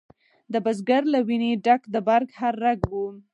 د بزګر له ویني ډک د برګ هر رګ و